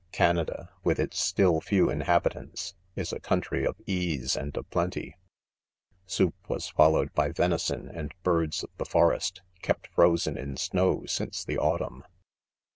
Canada, with its still few inhabitants, is a country of ease and of j>lenty. Soup was followed by venison and birds of the forest, kept frozen in snow, since the autumn.